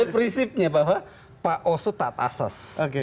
prinsipnya pak oso tak asas